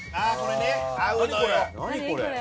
ああこれね。